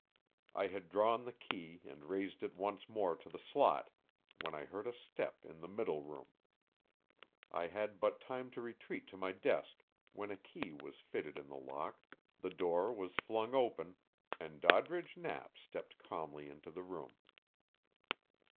I had drawn the key and raised it once more to the slot, when I heard a step in the middle room. I had but time to retreat to my desk when a key was fitted in the lock, the door was flung open, and Doddridge Knapp stepped calmly into the room.